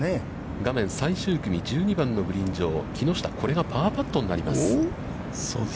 画面、最終組、１２番のグリーン上、木下、これがパーパットになります。